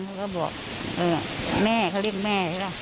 เขาก็บอกแม่เขาเรียกแม่ใช่หรือเปล่า